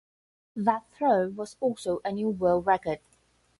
That throw of was also a new world record.